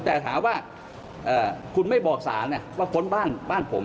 แต่ถามว่าคุณไม่บอกสารว่าค้นบ้านผม